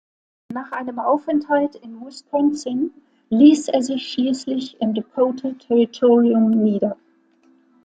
Nach einem Aufenthalt in Wisconsin ließ er sich schließlich im Dakota-Territorium nieder.